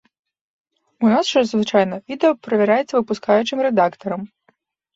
У нас жа звычайна відэа правяраецца выпускаючым рэдактарам.